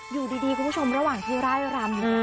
อยู่ดีคุณผู้ชมระหว่างที่ไล่รำ